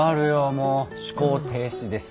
もう思考停止です。